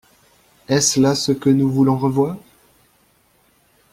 Est-ce là ce que nous voulons revoir?